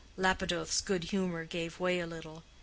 Lapidoth's good humor gave way a little.